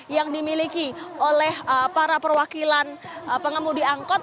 yang dimiliki oleh para perwakilan pengemudi angkot